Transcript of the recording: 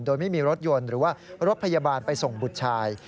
โดยไม่มีรถยนต์หรือว่ารถพยาบาลไปส่งบุตรชาย